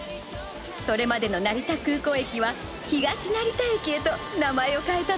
それまでの成田空港駅は東成田駅へと名前を変えたのよ